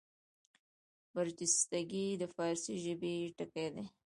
برجستګي د فاړسي ژبي ټکی دﺉ.